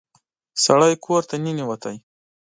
سړی کور ته ننوت.